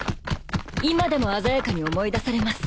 今でも鮮やかに思い出されます。